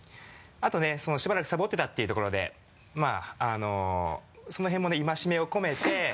あとねしばらくサボっていたというところでまぁあのその辺もね戒めを込めて。